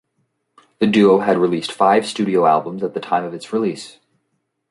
The duo had released five studio albums at the time of its release.